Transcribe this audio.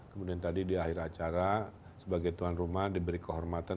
kemudian tadi di akhir acara sebagai tuan rumah diberi kehormatan